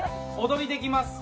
踊りできます